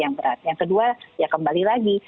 yang berat yang kedua ya kembali lagi